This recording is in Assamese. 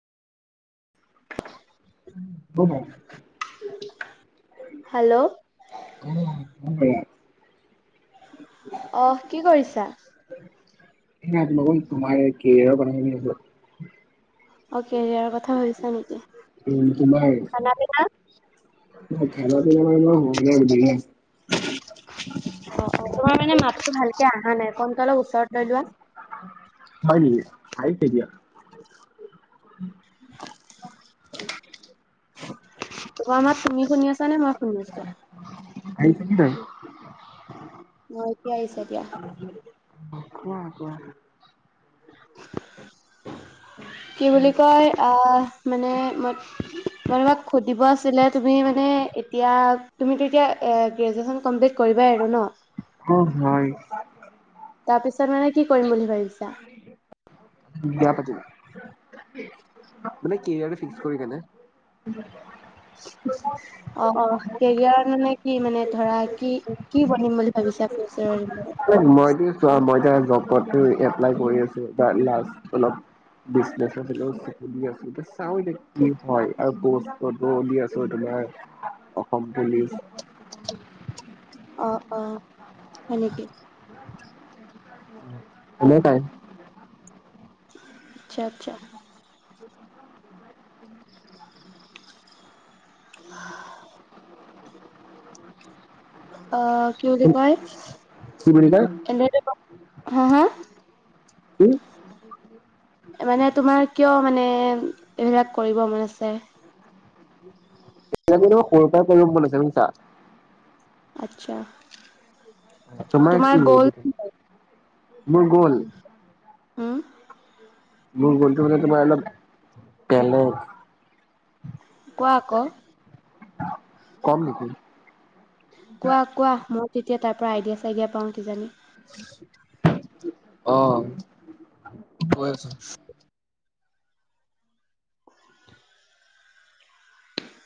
[unintelligible] হেল্ল'। [unintelligible] অ' কি কৰিছা? [unintelligible] তোমাৰ কেৰিয়াৰৰ কথা ভাবি আছিলোঁ। অ' কেৰিয়াৰৰ কথা ভাবিছা নেকি? খানা পিনা? [unintelligible] অ' তোমাৰ মানে মাতটো ভালকে অহা নাই। ফোনতো অলপ ওচৰত লৈ লোৱা। হয় নেকি? আহিছে এতিয়া? তোমাৰ মাত তুমি শুনি আছা নে মই শুনি আছো? আহিছে কি নাই [unintelligible] অ' এতিয়া আহিছে দিয়া। অ' কোৱা। কি বুলি কয় আহ মানে মই মই তোমাক সুধিব আছিলে তুমি মানে এতিয়া তুমি টো এতিয়া গ্ৰেজুৱেচন কমপ্লিট কৰিবাই আৰু ন? অ' হয়। তাৰ পিছত মানে কি কৰিম বুলি ভাবিছা? বিয়া পাতিম। মানে কেৰিয়াৰটো ফিক্স কৰি কেনে। অ', অ' কেৰিয়াৰ মানে কি মানে ধৰা কি কি বনিম বুলি ভাবিছা ফিউচাৰলে মইতো চোৱা মই এ জবতটো এপ্লাই কৰি আছো। লাষ্ট অলপ বিজনেছৰ ফালও চকু দি আছো। এতিয়া চাও এতিয়া কি হয় আৰু [unintelligible] আছো তোমাৰ অসম পুলিচ। অ', অ' হয় নেকি? [unintelligible] হ'ব পাৰে। আচ্ছা আচ্ছা। অ' কি বুলি কয় কি বুলি কয় [unintelligible] হা হা? কি? মানে তোমাৰ কিয় মানে এইবিলাক কৰিব মন আছে? এতিয়া সৰুৰ পৰা কৰিম বুলি [unintelligible] আচ্ছা। তোমাৰ কি [unintelligible] মোৰ গ'ল। উম। মোৰ গলটো মানে তোমাৰ অলপ বেলেগ। কোৱা আকৌ। কম নেকি? কোৱা-কোৱা? মই তেতিয়া তাৰ পৰা আইডিয়া চাইডিয়া পাওঁ কিজানি। অঁ', কৈ আছো। [unintelligible]